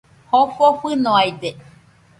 Jofo fɨnoaide